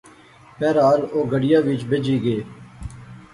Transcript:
بہرحال او گڈیا وچ بہجی گئے